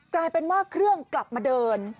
กลายเป็นว่าเครื่องกลับมาเดิน